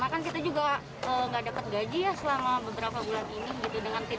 karena kan kita juga nggak dapat gaji selama beberapa bulan ini